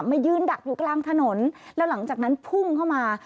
มายืนดักอยู่กลางถนนแล้วหลังจากนั้นพุ่งเข้ามา